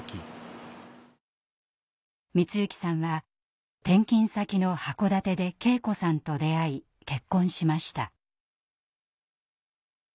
光行さんは転勤先の函館で圭子さんと出会い結婚しました。